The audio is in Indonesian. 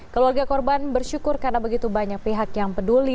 keluarga korban bersyukur karena begitu banyak pihak yang peduli